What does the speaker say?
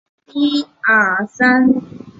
胡璋剑杨帆潘羿捷移佳辰